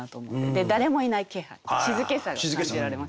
で誰もいない気配静けさが感じられました。